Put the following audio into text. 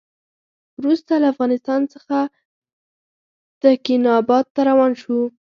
وروسته له افغانستان څخه تکیناباد ته روان شو.